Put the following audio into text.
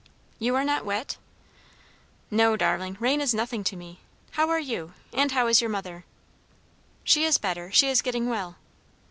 "You are not wet?" "No, darling! Rain is nothing to me. How are you? and how is your mother?" "She is better. She is getting well."